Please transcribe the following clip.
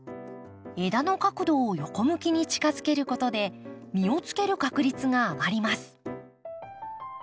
枝の角度を横向きに近づけることで実をつける確率が上がります